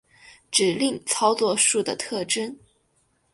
指令操作数的特征